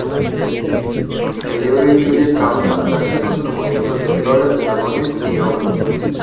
El libro incluye trabajos fantásticos como dibujos de troles, dragones y ogros.